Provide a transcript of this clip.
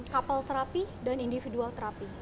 kapal terapi dan individual terapi